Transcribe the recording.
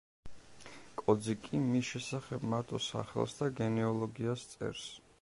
კოძიკი მის შესახებ მარტო სახელს და გენეოლოგიას წერს.